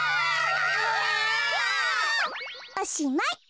おしまい。